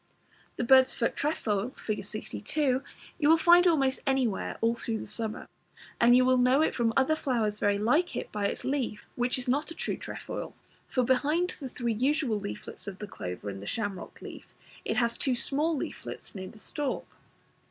The Bird's foot trefoil, Fig. 62, you will find almost anywhere all through the summer, and you will know it from other flowers very like it by its leaf, which is not a true trefoil, for behind the three usual leaflets of the clover and the shamrock leaf, it has two small leaflets near the stalk.